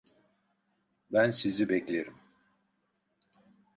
Ben sizi beklerim!